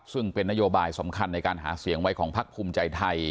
ซึ่งเป็นนโยบายสำคัญในการหาเสียงไว้ของพักภูมิใจไทย